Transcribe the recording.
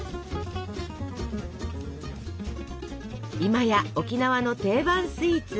今や沖縄の定番スイーツ。